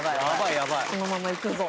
このままいくぞ。